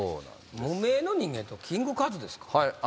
無名の人間とキングカズですか。